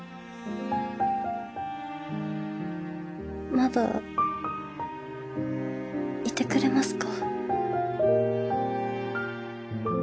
まだいてくれますか？